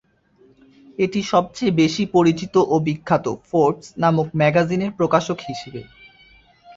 এটি সবচেয়ে বেশি পরিচিত ও বিখ্যাত "ফোর্বস" নামক ম্যাগাজিনের প্রকাশক হিসেবে।